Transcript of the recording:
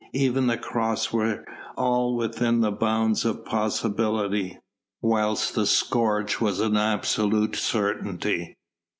even the cross were all within the bounds of possibility, whilst the scourge was an absolute certainty.